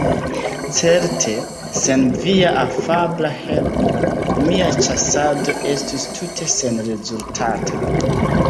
Certe, sen via afabla helpo mia ĉasado estus tute senrezultata.